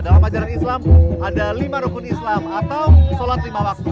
dalam ajaran islam ada lima rukun islam atau sholat lima waktu